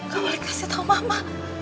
gak boleh dikasih tau mama